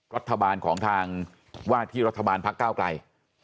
รัฐบาลของทางว่าที่รัฐบาลพักเก้าไกล